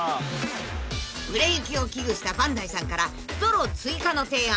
［売れ行きを危惧したバンダイさんからゾロ追加の提案。